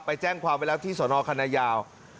ไปแจ้งความไว้แล้วที่สนคณะยาว